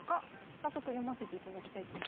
早速読ませていただきたいと思います。